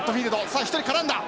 さあ１人絡んだ！